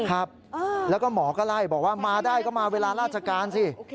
ครับแล้วก็หมอก็ไล่บอกว่ามาได้ก็มาเวลาราชการสิ